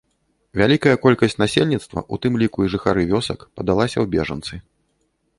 Вялікая колькасць насельніцтва, у тым ліку і жыхары вёсак, падалася ў бежанцы.